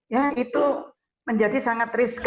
ya itu menjadi sangat risk